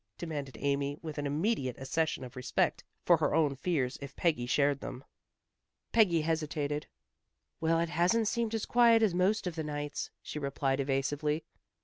demanded Amy, with an immediate accession of respect for her own fears if Peggy shared them. Peggy hesitated. "Well, it hasn't seemed as quiet as most of the nights," she replied, evasively.